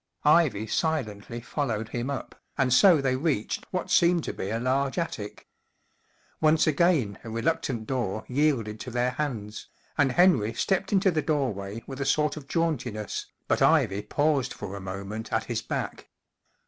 ” Ivy silently followed him up, and so they reached what seemed to be a large attic. Once again a reluctant door yielded to their hands, and Henry stepped into the doorway with a sort of jauntiness, but Ivy paused for a moment at his back.